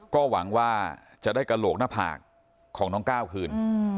ก็หวังว่าจะได้กระโหลกหน้าผากของน้องก้าวคืน